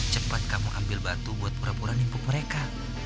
cepat kamu ambil batu buat pura pura nimpuk mereka